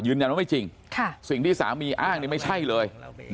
ยืนยันว่าไม่จริงสิ่งที่สามีอ้างเนี่ยไม่ใช่เลย